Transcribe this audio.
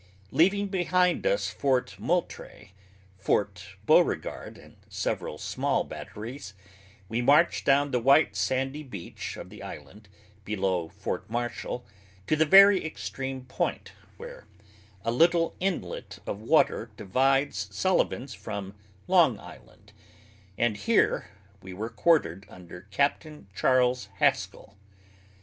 Leaving behind us Fort Moultrie, Fort Beauregard, and several small batteries, we marched down the white sandy beach of the island, below Fort Marshall, to the very extreme point, where a little inlet of water divides Sullivan's from Long Island, and here we were quartered under Capt. Charles Haskell.